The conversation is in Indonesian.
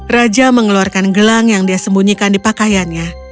raja mengeluarkan gelang yang dia sembunyikan di pakaiannya